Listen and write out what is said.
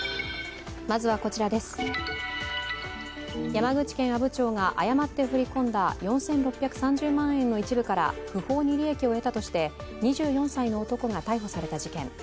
山口県阿武町が誤って振り込んだ４６３０万円から不法に利益をえたとして２４歳の男が逮捕された事件。